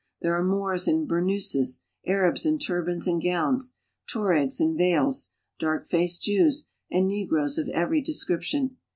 There are Moors in burnouses, Arabs in turbans and gowns, Tuaregs in veils, dark faced Jews, and negroes of every description.